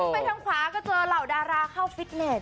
ไปทางขวาก็เจอเหล่าดาราเข้าฟิตเนส